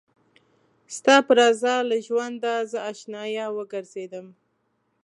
ستا په رضا له ژونده زه اشنايه وګرځېدم